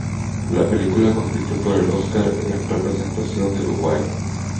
La película compitió por el Óscar a en representación de Uruguay.